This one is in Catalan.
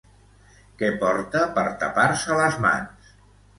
Què porta per tapar-se les mans?